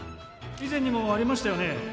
以前にもありましたよね？